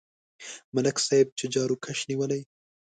ملک صاحب یې جاروکش نیولی.